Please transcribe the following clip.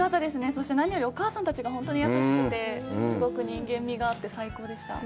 そして、何よりお母さんたちが優しくて、すごく人間味があって最高でした。